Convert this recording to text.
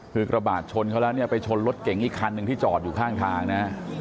คือกระบาดชนเขาแล้วเนี่ยไปชนรถเก่งอีกคันหนึ่งที่จอดอยู่ข้างทางนะ